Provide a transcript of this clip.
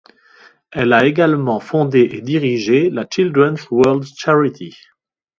Elle a également fondé et dirigé la Children's World charity.